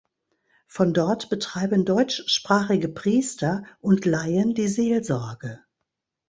Von dort betreiben deutschsprachige Priester und Laien die Seelsorge.